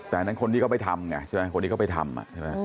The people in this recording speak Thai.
แต่อันนั้นคนที่เขาไปทำไงใช่ไหมคนที่เขาไปทำใช่ไหม